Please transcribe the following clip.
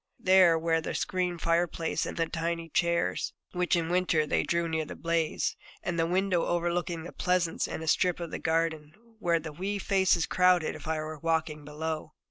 There were the screened fire place and the tiny chairs which in winter they drew near the blaze, and the window overlooking the pleasance and a strip of the garden, where the wee faces crowded if I were walking below.